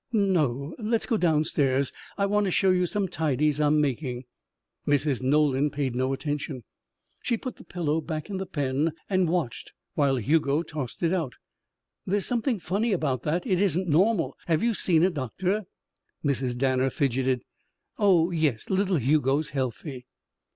"No. Let's go downstairs. I want to show you some tidies I'm making." Mrs. Nolan paid no attention. She put the pillow back in the pen and watched while Hugo tossed it out. "There's something funny about that. It isn't normal. Have you seen a doctor?" Mrs. Danner fidgeted. "Oh, yes. Little Hugo's healthy."